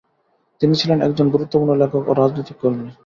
তিনি ছিলেন একজন গুরুত্বপূর্ণ লেখক ও রাজনৈতিক কর্মী।